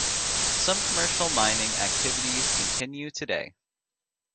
Some commercial mining activities continue today.